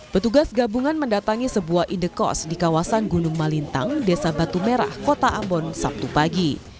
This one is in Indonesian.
petugas gabungan mendatangi sebuah indekos di kawasan gunung malintang desa batu merah kota ambon sabtu pagi